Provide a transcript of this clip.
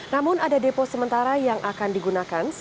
namun ada depo sementara yang akan digunakan